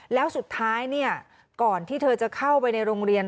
แล้วสุดท้ายก่อนที่เธอจะเข้าไปในโรงเรียน